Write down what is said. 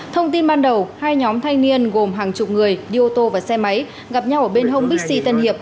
thông tin ban đầu hai nhóm thanh niên gồm hàng chục người đi ô tô và xe máy gặp nhau ở bên hông bixi tân hiệp